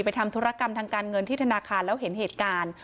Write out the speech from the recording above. ทำธุรกรรมทางการเงินที่ธนาคารแล้วเห็นเหตุการณ์